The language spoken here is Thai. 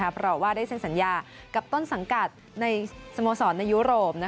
เพราะว่าได้เซ็นสัญญากับต้นสังกัดในสโมสรในยุโรป